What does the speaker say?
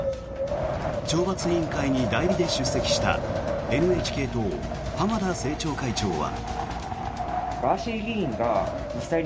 懲罰委員会に代理で出席したＮＨＫ党、浜田政調会長は。